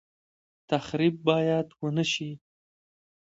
تخریب باید ونشي